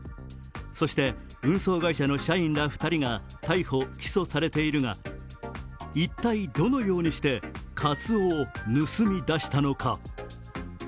そして運送会社の社員ら２人が逮捕・起訴されているが、一体どのようにして、かつおを盗み出したのか。